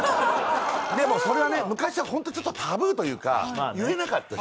でもそれはね昔は本当にちょっとタブーというか言えなかったし。